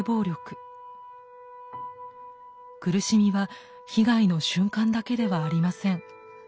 苦しみは被害の瞬間だけではありません。